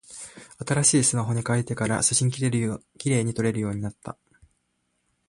新しいスマホに変えてから、写真綺麗に撮れるようになった。